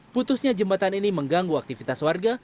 putusnya jembatan ini mengganggu aktivitas warga